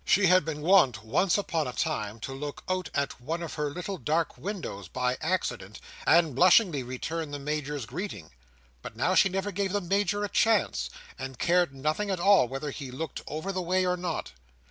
She had been wont, once upon a time, to look out at one of her little dark windows by accident, and blushingly return the Major's greeting; but now, she never gave the Major a chance, and cared nothing at all whether he looked over the way or not.